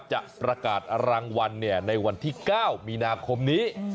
จะประกาศรางวัลในวันที่๙มีนาคมนี้